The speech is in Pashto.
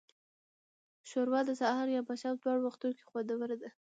ښوروا د سهار یا ماښام دواړو وختونو کې خوندوره ده.